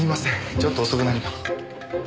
ちょっと遅くなりま。